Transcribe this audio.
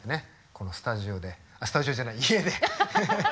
このスタジオでスタジオじゃない家で。